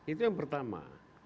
itu yang pertama